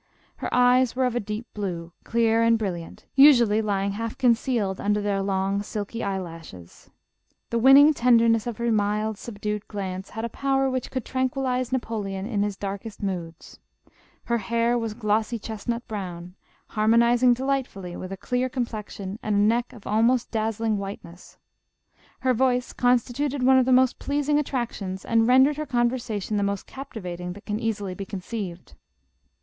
Her eyes were of a deep blue, clear and brilliant, usually lying half concealed under their long silky eye lashes. The winning tenderness of her mild, subdued glance, had a power which could tranquillize Napoleon in his darkest moods. Her hair was ' glossy chestnut brown,' harmonizing delightfully with a clear com plexion and neck of almost dazzling whiteness. Her voice constituted one of the most pleasing attractions and rendered her conversation the* most captivating that can easily be conceived."